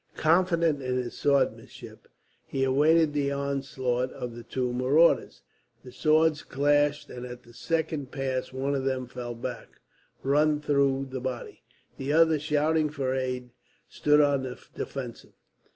Confident in his swordsmanship, he awaited the onslaught of the two marauders. The swords clashed, and at the second pass one of them fell back, run through the body. The other, shouting for aid, stood on the defensive.